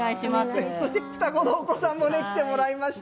そして双子のお子さんも来てもらいました。